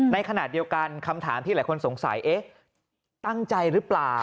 ในขณะเดียวกันคำถามที่หลายคนสงสัยเอ๊ะตั้งใจหรือเปล่า